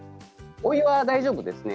お湯は大丈夫です。